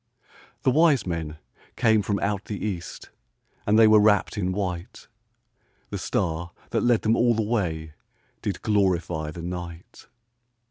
The wise men came from out the east, And they were wrapped in white; The star that led them all the way Did glorify the night.